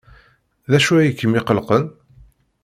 D acu ay kem-iqellqen?